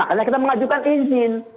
karena kita mengajukan izin